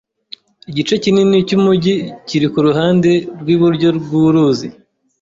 Igice kinini cyumujyi kiri kuruhande rwiburyo bwuruzi.